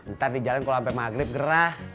ntar di jalan kalo sampe maghrib gerah